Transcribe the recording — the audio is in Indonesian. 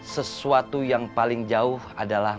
sesuatu yang paling jauh adalah